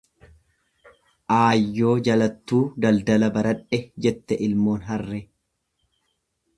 Aayyoo jalattuu daldala baradhe jette ilmoon harree.